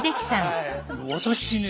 私ね